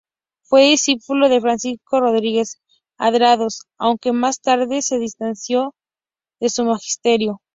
Fue discípulo de Francisco Rodríguez Adrados, aunque más tarde se distanció de su magisterio.